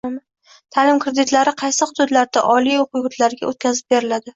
Ta’lim kreditlari qaysi muddatlarda oliy o‘quv yurtiga o‘tkazib beriladi?